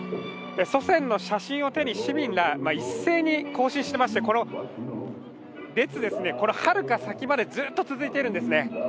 祖先の写真を手に市民が一斉に行進していまして、この列ははるか先までずっと続いているんですね。